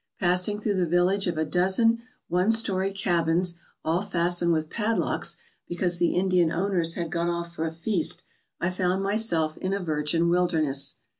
Passing through the village of a dozen one story cabins all fastened with padlocks be cause the Indian owners had gone off for a feast, I found myself in a virgin wilderness.